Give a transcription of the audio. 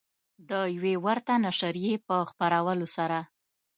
د یوې ورته نشریې په خپرولو سره